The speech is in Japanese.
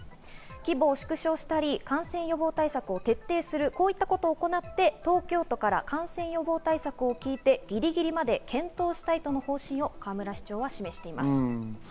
規模を縮小したり、感染予防対策を徹底する、こういったことを行って東京都から感染予防対策を聞いてギリギリまで検討したいとの方針を河村市長は示しています。